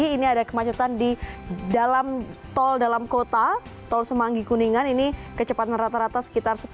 ini ada kemacetan di dalam tol dalam kota tol semanggi kuningan ini kecepatan rata rata sekitar sepuluh